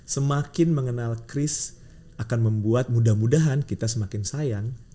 semakin mengenal kris akan membuat mudah mudahan kita semakin sayang